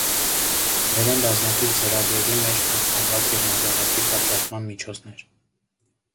Հայերէն բազմաթիւ ձեռագրերու մէջ պահպանուած են մագաղաթի պատրաստման միջոցներ։